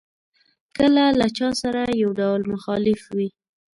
کله له چا سره یو ډول مخالف وي.